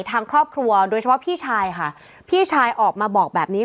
ทางครอบครัวโดยเฉพาะพี่ชายค่ะพี่ชายออกมาบอกแบบนี้